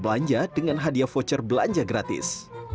belanja dengan hadiah voucher belanja gratis